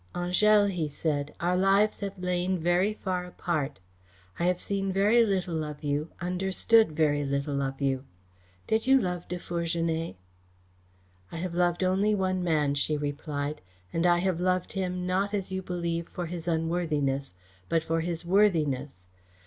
"Angèle," he said, "our lives have lain very far apart. I have seen very little of you, understood very little of you. Did you love De Fourgenet?" "I have loved only one man," she replied, "and I have loved him, not, as you believe, for his unworthiness, but for his worthiness.